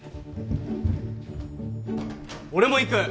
俺も行く。